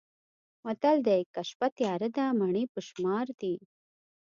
متل دی: که شپه تیاره ده مڼې په شمار دي.